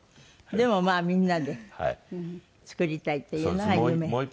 でもまあみんなで作りたいというのが夢。